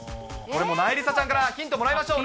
これもなえりさちゃんから、ヒントもらいましょう。